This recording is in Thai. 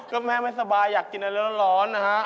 ก็แม่ไม่สบายอยากกินอะไรร้อนนะฮะ